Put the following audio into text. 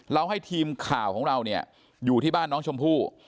เราให้ทีมข่าวของเราอยู่ที่บ้านน้องชมพู่